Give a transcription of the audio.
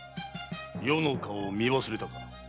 余の顔を見忘れたか？